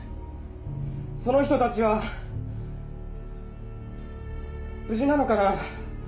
・その人たちは無事なのかな？